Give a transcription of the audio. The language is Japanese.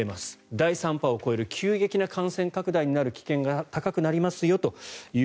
第３波を超える急激な感染拡大になる危険性が高くなりますよと。